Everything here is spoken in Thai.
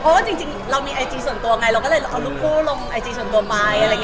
เพราะว่าจริงเรามีไอจีส่วนตัวไงเราก็เลยเอาลูกคู่ลงไอจีส่วนตัวไม้